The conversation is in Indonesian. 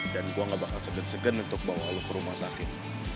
dan gue enggak bakal segen segen untuk bawa lo ke rumah sakit